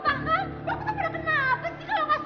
mau ya gak usah cepet cepet